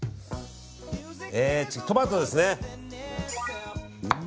トマトですね。